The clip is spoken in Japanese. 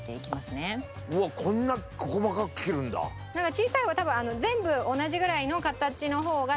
小さい方が多分全部同じぐらいの形の方が多分。